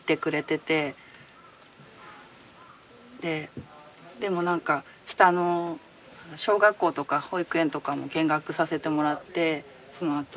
ででも何か下の小学校とか保育園とかも見学させてもらってそのあと。